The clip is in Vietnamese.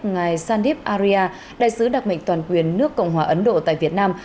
ngài sandip arya đại sứ đặc mệnh toàn quyền nước cộng hòa ấn độ tại việt nam